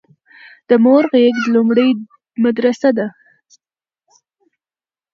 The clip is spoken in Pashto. د مور غيږ لومړنۍ مدرسه ده